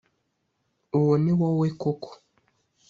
uwo ni wowe koko,